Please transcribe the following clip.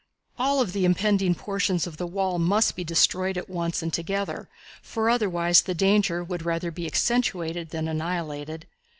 All of the impending portions of the wall must be destroyed at once and together, for otherwise the danger would rather be accentuated than annihilated.